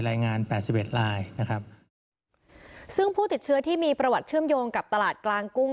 แปดสิบเอ็ดลายนะครับซึ่งผู้ติดเชื้อที่มีประวัติเชื่อมโยงกับตลาดกลางกุ้ง